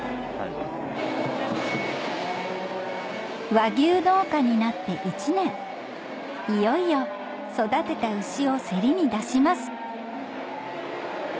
和牛農家になって１年いよいよ育てた牛を競りに出します